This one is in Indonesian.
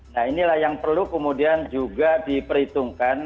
nah inilah yang perlu kemudian juga diperhitungkan